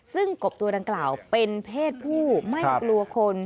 ซึ่งกบตัวดังกล่าวเป็นเพศผู้ไม่กลัวคน